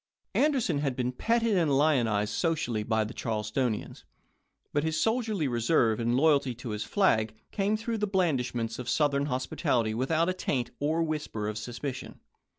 Anderson had been petted and lionized socially by the Charlestonians ; but his soldierly reserve and loyalty to his flag came through the blandish ments of Southern hospitality without a taint or whisper of suspicion.